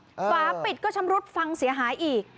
ฝาปิดก็ชำรุดฟังเสียหายอีก